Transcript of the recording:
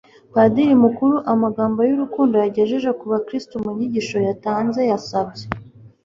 padiri mukuru amagambo y'urukundo yagejeje ku bakristu mu nyigisho yatanze. yasabye